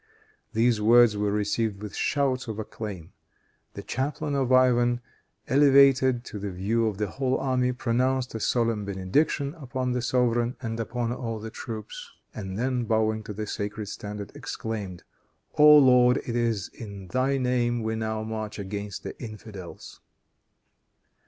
These words were received with shouts of acclaim. The chaplain of Ivan, elevated in the view of the whole army, pronounced a solemn benediction upon the sovereign and upon all the troops, and then bowing to the sacred standard, exclaimed, "O Lord, it is in thy name we now march against the infidels."